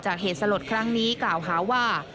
เหตุสลดครั้งนี้กล่าวหาว่า